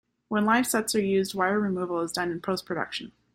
When live sets are used, wire removal is done in post-production.